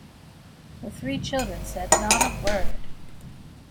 The three children said not a word.